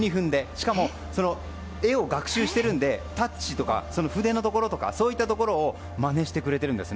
しかも絵を学習しているのでタッチとか筆のところをそういったところをまねしてくれるんです。